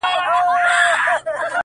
يوار د شپې زيارت ته راسه زما واده دی گلي